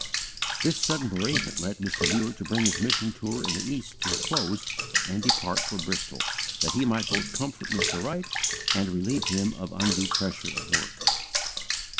(Romans viii. 28.) This sudden bereavement led Mr. Muller to bring his mission tour in the East to a close and depart for Bristol, that he might both comfort Mr. Wright and relieve him of undue pressure of work.